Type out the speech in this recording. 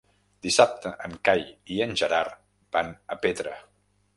Dissabte en Cai i en Gerard van a Petra.